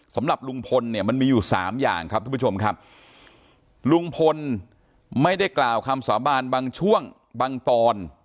สำหรับลุงพลเนี่ยมันมีอยู่สามอย่างครับทุกผู้ชมครับลุงพลไม่ได้กล่าวคำสาบานบางช่วงบางตอน